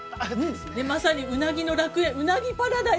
まさにうなぎの楽園、うなぎパラダイス。